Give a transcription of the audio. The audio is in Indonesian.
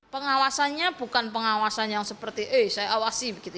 pengawasannya bukan pengawasan yang seperti eh saya awasi begitu